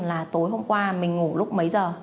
là tối hôm qua mình ngủ lúc mấy giờ